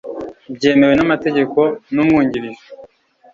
byemewe n amategeko n umwungirije